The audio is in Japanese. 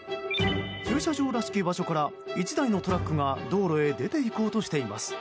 駐車場らしき場所から１台のトラックが道路へ出ていこうとしています。